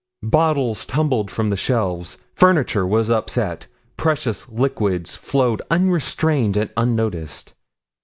Bottles tumbled from the shelves. Furniture was upset. Precious liquids flowed unrestrained and unnoticed.